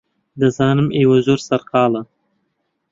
دەزانم ئێوە زۆر سەرقاڵن.